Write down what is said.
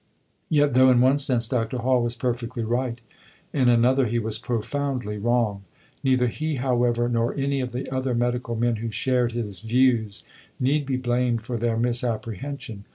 Yet though in one sense Dr. Hall was perfectly right, in another he was profoundly wrong. Neither he, however, nor any of the other medical men who shared his views, need be blamed for their misapprehension.